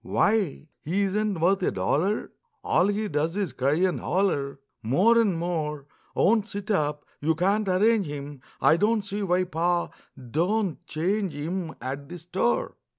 Why, he isn't worth a dollar! All he does is cry and holler More and more; Won't sit up you can't arrange him, I don't see why Pa do'n't change him At the store.